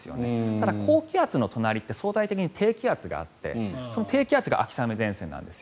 ただ、高気圧の隣って相対的に低気圧があって、低気圧が秋雨前線なんです。